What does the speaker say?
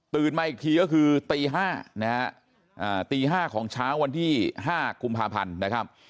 มาอีกทีก็คือตี๕นะฮะตี๕ของเช้าวันที่๕กุมภาพันธ์นะครับ